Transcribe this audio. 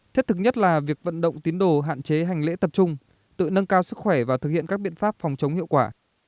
thiết thực nhất là việc vận động tín đồ hạn chế hành lễ tập trung tự nâng cao sức khỏe và thực hiện các biện pháp phòng chống hiệu quả